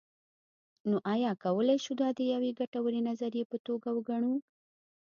نو ایا کولی شو دا د یوې ګټورې نظریې په توګه وګڼو.